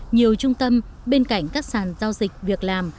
nhiều trung tâm bên cạnh các sàn giao dịch việc làm